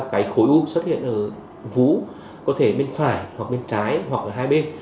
cái khối u xuất hiện ở vú có thể bên phải hoặc bên trái hoặc là hai bên